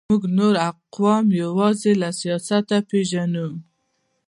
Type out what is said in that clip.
موږ نور اقوام یوازې له سیاست پېژنو.